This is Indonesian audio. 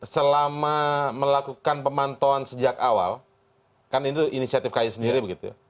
selama melakukan pemantauan sejak awal kan ini tuh inisiatif ky sendiri begitu ya